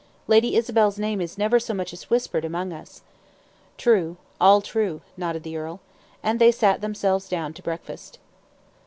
Lady Isabel's name is never so much as whispered among us." "True: all true," nodded the earl. And they sat themselves down to breakfast.